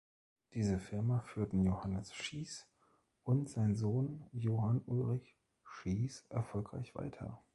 Diese Firma führten Johannes Schiess und sein Sohn Johann Ulrich Schiess erfolgreich weiter.